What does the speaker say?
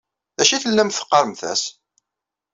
D acu i tellamt teqqaṛemt-as?